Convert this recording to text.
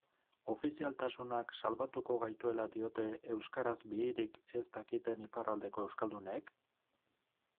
Ofizialtasunak salbatuko gaituela diote euskaraz bihirik ez dakiten iparraldeko euskualdunek?